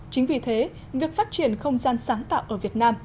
chính vì thế việc phát triển không gian sáng tạo ở việt nam